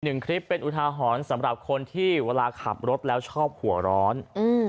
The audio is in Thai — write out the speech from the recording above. คลิปเป็นอุทาหรณ์สำหรับคนที่เวลาขับรถแล้วชอบหัวร้อนอืม